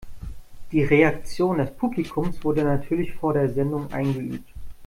Die Reaktion des Publikums wurde natürlich vor der Sendung eingeübt.